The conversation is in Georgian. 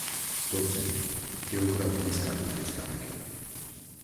დოცენტი, გეოგრაფიის კათედრის გამგე.